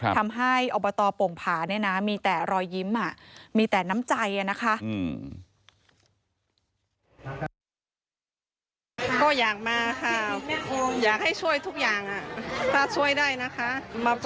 ทำให้อบตโป่งผ่ามีแต่รอยยิ้มมีแต่น้ำใจนะคะ